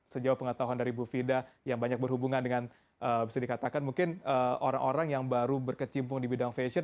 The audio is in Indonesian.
sejauh pengetahuan dari bu fida yang banyak berhubungan dengan bisa dikatakan mungkin orang orang yang baru berkecimpung di bidang fashion